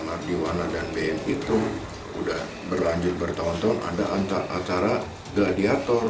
mardiwana dan bm itu udah berlanjut bertahun tahun ada acara gladiator